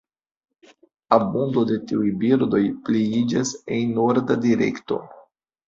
Abundo de tiuj birdoj pliiĝas en norda direkto.